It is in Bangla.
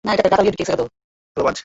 হ্যালো, বায।